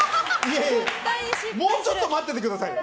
もうちょっと待っててくださいよ。